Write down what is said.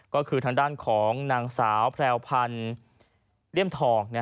ก็คือทางด้านของนางสาวแพรวพันธ์เลี่ยมทอง